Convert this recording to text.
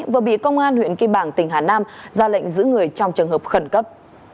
vừa bị công an huyện kim bảng tỉnh hà nam ra lệnh giữ người trong trường hợp khẩn cấp